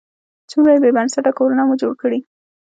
څومره بې بنسټه کورونه مو جوړ کړي.